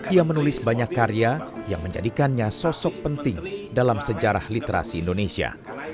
ia menulis banyak karya yang menjadikannya sosok penting dalam sejarah literasi indonesia